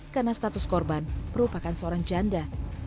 karena status korban merupakan seorang janda